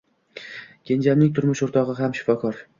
Kenjamning turmush o’rtog’i ham shifokor.